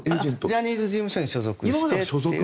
ジャニーズ事務所に所属して。